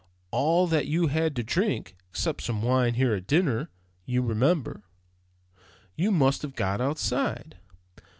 All that you had to drink (except some wine here at dinner, you remember) you must have got outside.